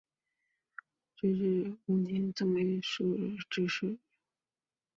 至正五年为中书参知政事。